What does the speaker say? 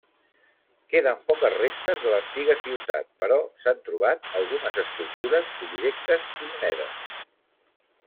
Queden poques restes de l'antiga ciutat, però s'han trobat algunes escultures, objectes i monedes.